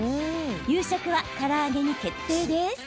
夕食は、から揚げに決定です。